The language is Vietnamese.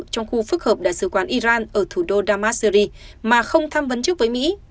trong khu phức hợp đại sứ quán iran ở thủ đô damasyri mà không tham vấn trước với mỹ